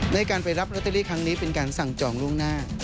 ในการไปรับลอตเตอรี่ครั้งนี้เป็นการสั่งจองล่วงหน้า